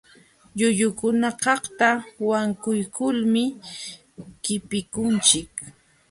Llullukunakaqta wankuykulmi qipikunchik.